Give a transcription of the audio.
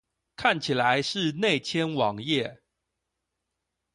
看起來是內嵌網頁